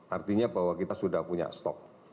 artinya bahwa kita sudah punya stok